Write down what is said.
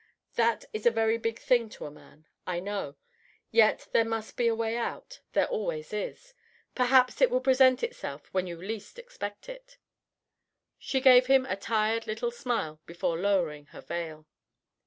That is a very big thing to a man, I know, yet there must be a way out there always is. Perhaps it will present itself when you least expect it." She gave him a tired little smile before lowering her veil.